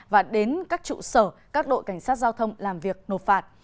và đến các trụ sở các đội cảnh sát giao thông làm việc nộp phạt